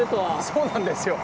そうなんですよ。